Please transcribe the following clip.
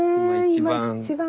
今一番。